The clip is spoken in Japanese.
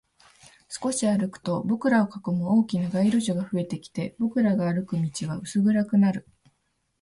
少し歩くと、僕らを囲む大きな街路樹が増えてきて、僕らが歩く道は薄暗くなる